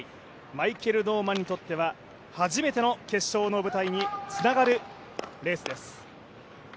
マイケル・ノーマンにとっては初めての決勝の舞台につながるレースです。